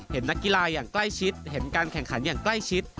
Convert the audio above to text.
นักกีฬาอย่างใกล้ชิดเห็นการแข่งขันอย่างใกล้ชิด